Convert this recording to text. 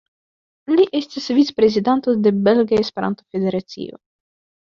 Li estis vic-prezidanto de Belga Esperanto-Federacio.